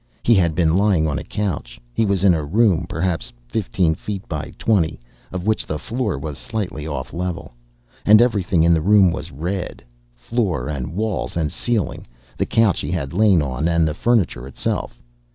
He had been lying on a couch. He was in a room perhaps fifteen feet by twenty, of which the floor was slightly off level. And everything in the room was red. Floor and walls and ceiling, the couch he had lain on and the furniture itself.